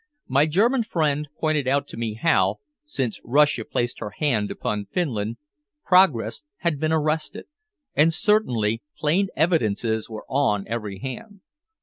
My German friend pointed out to me how, since Russia placed her hand upon Finland, progress had been arrested, and certainly plain evidences were on every hand.